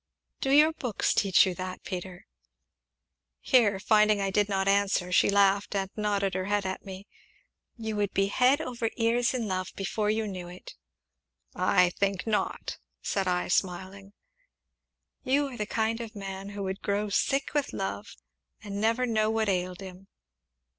"Do your books teach you that, Peter?" Here, finding I did not answer, she laughed and nodded her head at me. "You would be head over ears in love before you knew it!" "I think not," said I, smiling. "You are the kind of man who would grow sick with love, and never know what ailed him."